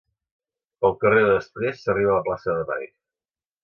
Pel carrer de després s'arriba a la plaça de mai.